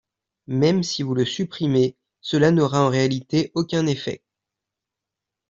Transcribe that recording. Même si vous le supprimez, cela n’aura en réalité aucun effet.